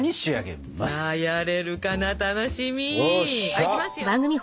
はいいきますよ。